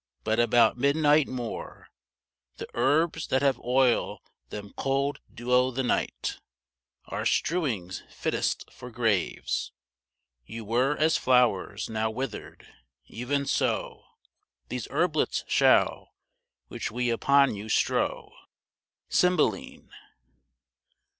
but about midnight more: The herbs that have oil them cold dew o' the night Are strewings fitt'st for graves You were as flowers now withered; even so These herblets shall, which we upon you strow. CYMBELINE.